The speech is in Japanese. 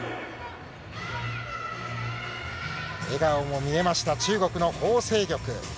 笑顔も見えました、中国のホウ倩玉。